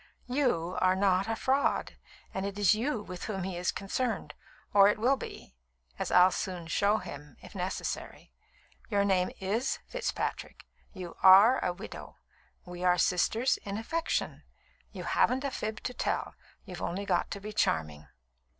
"You are not a fraud, and it is you with whom he is concerned, or it will be, as I'll soon show him, if necessary. Your name is Fitzpatrick; you are a widow; we are sisters in affection. You haven't a fib to tell; you've only got to be charming."